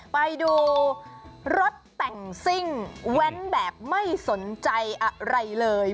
ไปดูรถแต่งซิ่งแว้นแบบไม่สนใจอะไรเลย